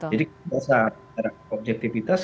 jadi kita bisa menerangkan objektivitas